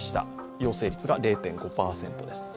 陽性率が０．５％です。